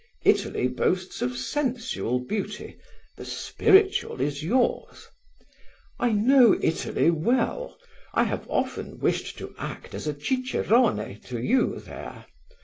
Italy boasts of sensual beauty; the spiritual is yours. "I know Italy well; I have often wished to act as a cicerone to you there.